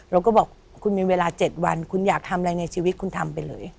เราก็บอกคุณมีเวลา๗วันคุณอยากทำอะไรในชีวิตคุณทำไปเลย